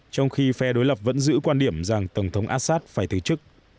trong khi phe đối lập vẫn giữ quan điểm rằng tổng thống assad phải từ chức